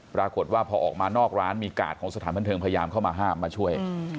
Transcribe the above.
ปรากฏว่าพอออกมานอกร้านมีกาดของสถานบันเทิงพยายามเข้ามาห้ามมาช่วย